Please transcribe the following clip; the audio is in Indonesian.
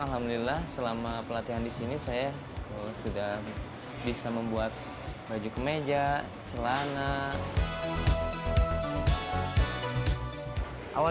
alhamdulillah selama pelatihan di sini saya sudah bisa membuat baju kemeja celana